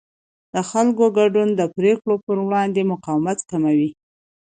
د خلکو ګډون د پرېکړو پر وړاندې مقاومت کموي